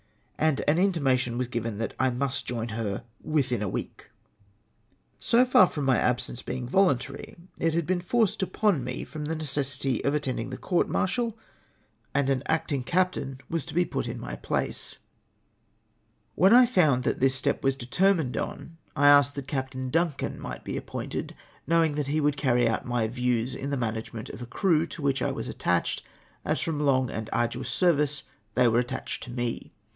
and an intimation was given that I must join her within a week ! So far from my absence being voluntary, it had been forced upon me from the necessity of attending the court martial and an acting captain was to be put L 4 152 TLAXS FOR ATTACKING THE FRENCH COAST ill my place. When I found that this step was deter mined on, I asked that Captain Duncan might be appointed, knowing that he wouki cany out my views in the management of a crew to which I was attached, as from long and arduous service they were attached to me.